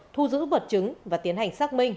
thu giữ vật chứng và tiến hành xác minh